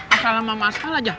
asal sama masalah aja